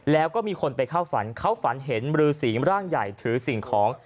แล้วก็มีคนไปเข้าฝันเขาฝันเห็นรือสีร่างใหญ่ถือสิ่งของ